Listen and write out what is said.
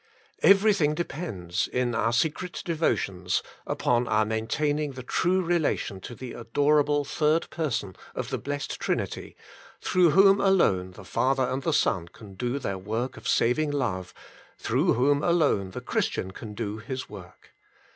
Everything depends, in our secret devotions, upon our maintaining the true relation to the ador able third person of the blessed Trinity, through Whom alone the Father and the Son can do their The Daily Renewal — Its Power 123 work of saving love, through Whom alone the Christian can do his work.